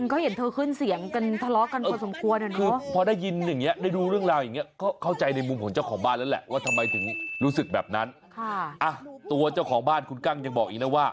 ก็เห็นเธอขึ้นเสียงกันทะเลาะกันพอสมควรอะเนาะ